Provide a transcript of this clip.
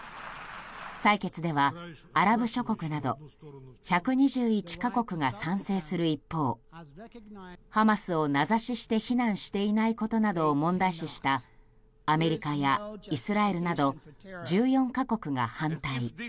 採決ではアラブ諸国など１２１か国が賛成する一方ハマスを名指しして非難していないことなどを問題視したアメリカやイスラエルなど１４か国が反対。